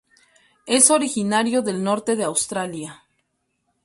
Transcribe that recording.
Es originario del norte de Australia.